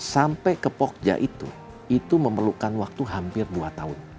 sampai ke pogja itu itu memerlukan waktu hampir dua tahun